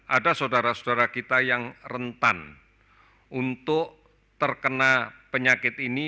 ada saudara saudara kita yang rentan untuk terkena penyakit ini